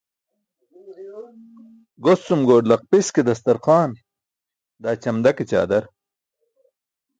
Goscum goor laqpis ke dastar xwaan, daa ćamda ke ćaadar.